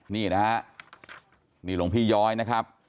นี่นะฮะนี่หลวงพี่ย้อยนะครับ